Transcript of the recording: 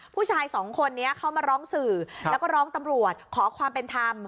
ผู้ชายสองคนนี้เขามาร้องสื่อแล้วก็ร้องตำรวจขอความเป็นธรรม